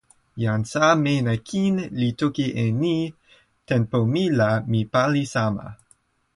jan Sa Mena Kin li toki e ni: "tenpo mi la mi pali sama".